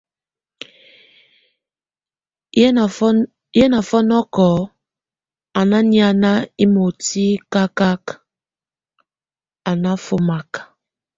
Yé nafɔnɔk a ná manye imoti kakak a náfomak.